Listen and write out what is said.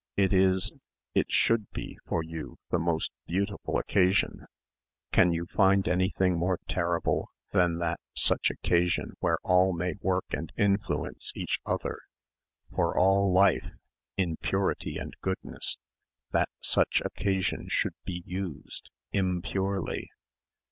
It is, it should be for you the most beautiful occasion. Can you find anything more terrible than that such occasion where all may work and influence each other for all life in purity and goodness that such occasion should be used impurely?